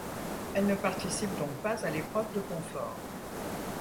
Elle ne participe donc pas à l'épreuve de confort.